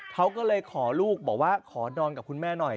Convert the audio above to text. เขาก็เลยขอลูกบอกว่าขอดอนกับคุณแม่หน่อย